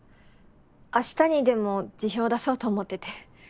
明日にでも辞表出そうと思ってて。